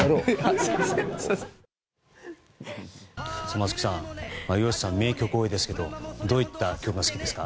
松木さん吉さんは名曲が多いですがどういった曲が好きですか？